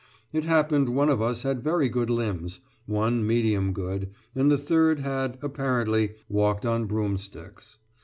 It happened one of us had very good limbs, one medium good, and the third had, apparently, walked on broom sticks.